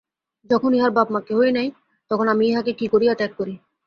যখন ইহার বাপ মা কেহই নাই, তখন আমি ইহাকে কী করিয়া ত্যাগ করি।